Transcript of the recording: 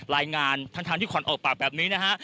รายงานทั้งที่ขวัญออกปากแบบนี้นะฮะ